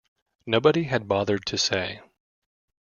Nobody had bothered to say.